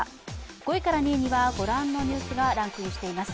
５位から２位にはご覧のニュースがランクインしています。